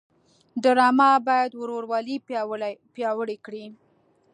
ډرامه باید ورورولي پیاوړې کړي